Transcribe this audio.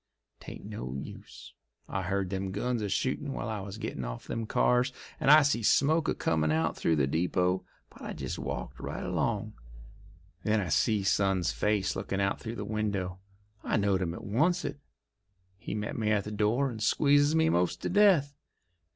'Tain't no use. I heard them guns a shootin' while I was gettin' off them cars, and I see smoke a comin' out of the depot, but I jest walked right along. Then I see son's face lookin' out through the window. I knowed him at oncet. He met me at the door, and squeezes me 'most to death.